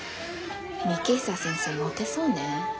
幹久先生モテそうね。